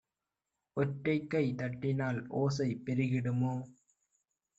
ஒற்றைக்கை தட்டினால் ஓசை பெருகிடுமோ